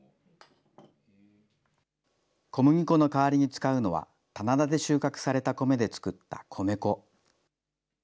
小麦粉の代わりに使うのは、棚田で収穫された米で作った米粉。